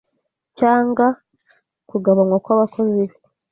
Cyangwa kugabanywa kwabakozi be